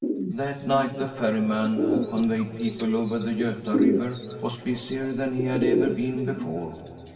That night the ferrjTnan who conveyed people over the Gota River was busier than he had ever been before.